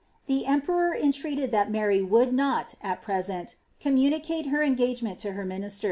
The emperor entreated that Mtiy would not, at present, communicate her engagement to her ministen.